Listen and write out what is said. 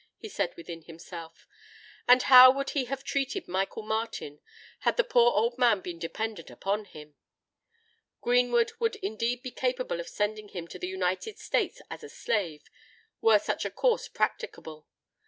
he said within himself: "and how would he have treated Michael Martin, had the poor old man been dependent upon him! Greenwood would indeed be capable of sending him to the United States as a slave, were such a course practicable.